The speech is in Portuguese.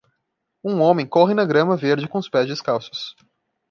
Um homem corre na grama verde com os pés descalços.